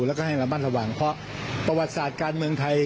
แล้วก็ให้ระมัดระวังเพราะประวัติศาสตร์การเมืองไทย